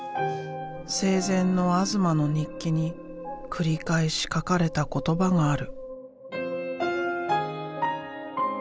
生前の東の日記に繰り返し書かれた言葉がある。